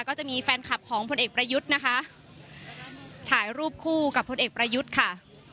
ก็จะมีแฟนคลับของพลเอกประยุทธ์นะคะถ่ายรูปคู่กับพลเอกประยุทธ์ค่ะ